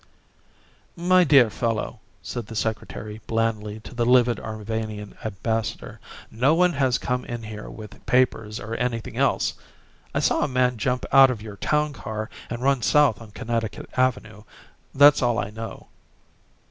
"My dear fellow," said the Secretary blandly to the livid Arvanian Ambassador, "no one has come in here with papers or anything else. I saw a man jump out of your town car and run south on Connecticut Avenue. That's all I know."